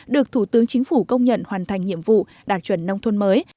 được thủ tướng chính phủ công nhận hoàn thành nhiệm vụ đạt chuẩn nông thôn mới